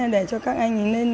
để cho các anh lên